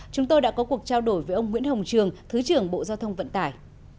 chúng tôi đã có cuộc trao đổi với ông nguyễn hồng trường thứ trưởng bộ giao thông vận tải